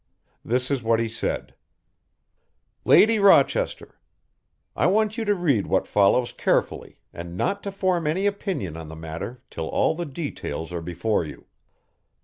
This is what he said: "Lady Rochester, "I want you to read what follows carefully and not to form any opinion on the matter till all the details are before you.